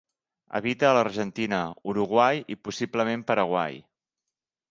Habita a l'Argentina, Uruguai i possiblement Paraguai.